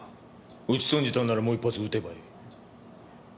撃ち損じたんならもう１発撃てばいい。